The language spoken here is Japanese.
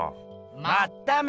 まっため！